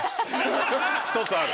１つある。